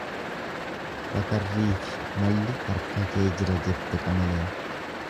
Bakarriifi malli harka kee jira jette qamaleen.